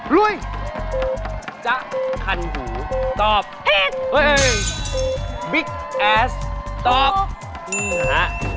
รุ่นจ๊ะคันหูตอบผิดเอ่ยเอ่ยบิ๊กแอสตอบอืมฮะ